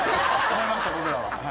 思いました僕らは。